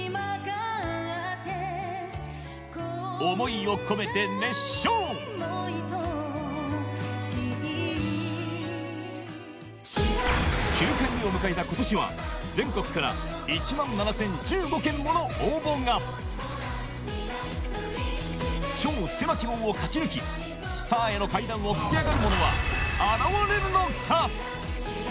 愛おしい９回目を迎えた今年は全国から超狭き門を勝ち抜きスターへの階段を駆け上がる者は現れるのか？